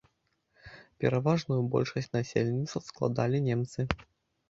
Пераважную большасць насельніцтва складалі немцы.